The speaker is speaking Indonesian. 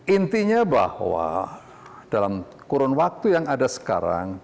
intinya bahwa dalam kurun waktu yang ada sekarang